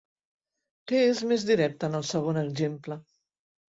Què és més directe en el segon exemple?